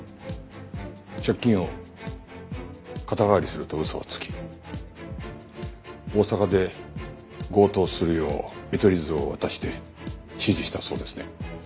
借金を肩代わりすると嘘をつき大阪で強盗をするよう見取り図を渡して指示したそうですね。